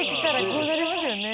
こうなりますよね